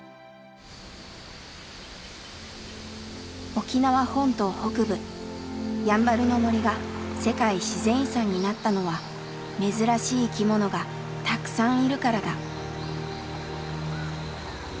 沖縄本島北部やんばるの森が世界自然遺産になったのは珍しい生き物がたくさんいるからだ。